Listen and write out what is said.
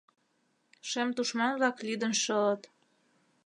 Шем тушман-влак лӱдын шылыт.